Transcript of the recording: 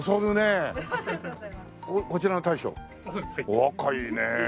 お若いね。